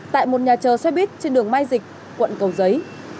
tại một nhà chờ xe buýt trên đường mai dịch quận cầu giấy